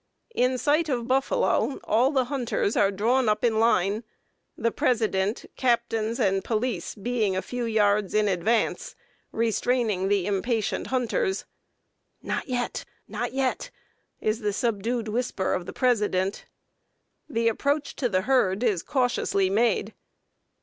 "In sight of buffalo all the hunters are drawn up in line, the president, captains, and police being a few yards in advance, restraining the impatient hunters. 'Not yet! Not yet!' is the subdued whisper of the president. The approach to the herd is cautiously made.